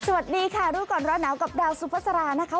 สวัสดีค่ะรู้ก่อนร้อนหนาวกับดาวสุภาษารานะคะ